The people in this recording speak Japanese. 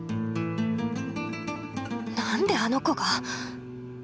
何であの子が！？